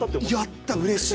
やったうれしい。